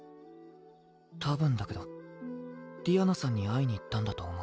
たぶんだけどディアナさんに会いに行ったんだと思う。